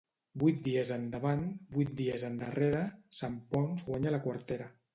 Vuit dies endavant, vuit dies endarrere, Sant Ponç guanya la quartera.